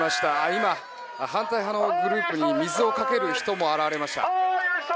今、反対派のグループに水をかける人も現れました。